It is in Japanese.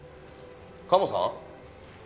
カモさん？